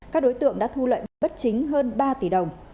các đối tượng đã thu lợi bất chính hơn ba tỷ đồng